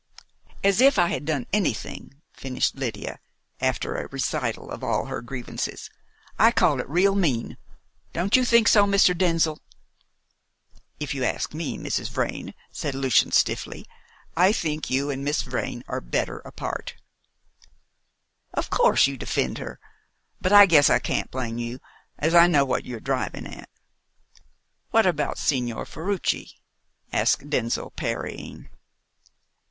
"As if I had done anything," finished Lydia, after a recital of all her grievances. "I call it real mean. Don't you think so, Mr. Denzil?" "If you ask me, Mrs. Vrain," said Lucian stiffly, "I think you and Miss Vrain are better apart." "Of course you defend her. But I guess I can't blame you, as I know what you are driving at." "What about Signor Ferruci?" asked Denzil, parrying.